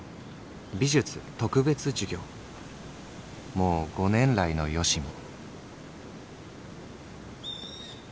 もう５年来のよしみ」。